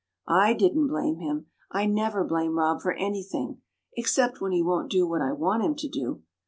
"I didn't blame him; I never blame Rob for anything, except when he won't do what I want him to do.